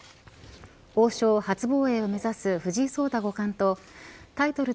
王将初防衛を目指す藤井聡太五冠とタイトル